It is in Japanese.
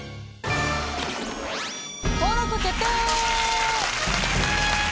登録決定！